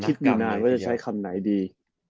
อยู่นานว่าจะใช้คำไหนดี